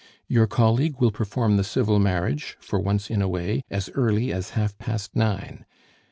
"Your colleague will perform the civil marriage, for once in a way, as early as half past nine.